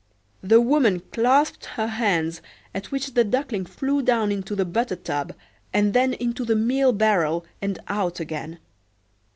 The woman clasped her hands, at which the Duckling flew down into the butter tub, and then into the meal barrel and out again.